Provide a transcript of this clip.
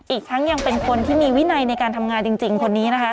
อีกทั้งยังเป็นคนที่มีวินัยในการทำงานจริงคนนี้นะคะ